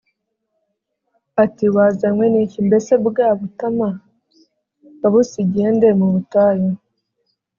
ati “Wazanywe n’iki? Mbese bwa butama wabusigiye nde mu butayu?